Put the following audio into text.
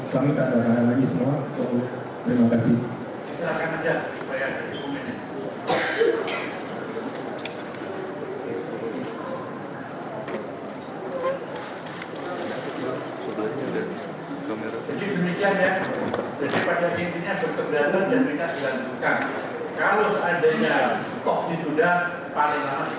sampai ketemu lagi semua